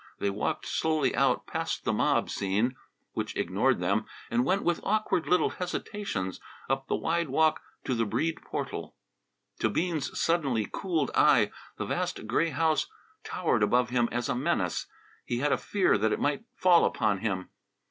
They walked slowly out, passed the mob scene, which ignored them, and went with awkward little hesitations up the wide walk to the Breede portal. To Bean's suddenly cooled eye, the vast gray house towered above him as a menace. He had a fear that it might fall upon him.